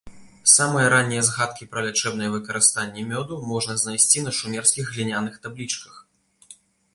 Самыя раннія згадкі пра лячэбнае выкарыстанні мёду можна знайсці на шумерскіх гліняных таблічках.